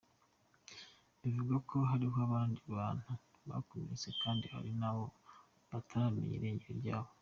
Bivugwa ko hariho abandi bantu bakomeretse kandi hari n'abo bataramenya irengero ryabo.